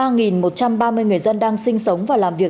ba một trăm ba mươi người dân đang sinh sống và làm việc